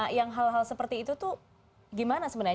jadi yang hal hal seperti itu tuh gimana sebenarnya